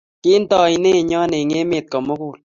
kinto oinet nyo eng' emet ko mugul